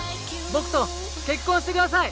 僕と結婚してください！